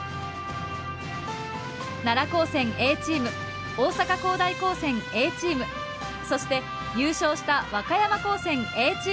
奈良高専Ａチーム大阪公大高専Ａチームそして優勝した和歌山高専Ａチーム。